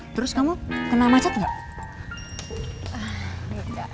terus kamu kena macet nggak